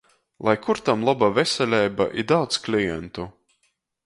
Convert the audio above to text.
Lai Kurtam loba veseleiba i daudz klientu!